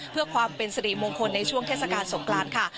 เพื่อความเป็นสิริมงคลในช่วงเทศกาลสงกรานค่ะ